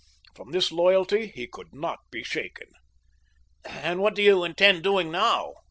From this loyalty he could not be shaken. "And what do you intend doing now?"